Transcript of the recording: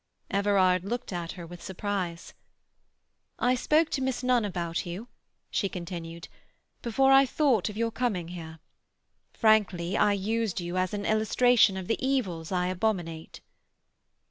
Everard looked at her with surprise. "I spoke to Miss Nunn about you," she continued, "before I thought of your coming here. Frankly, I used you as an illustration of the evils I abominate."